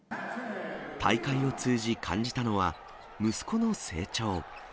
大会を通じ感じたのは、息子の成長。